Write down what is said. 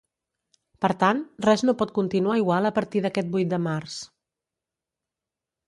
Per tant, res no pot continuar igual a partir d’aquest vuit de març.